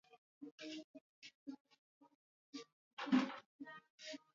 kula vizuri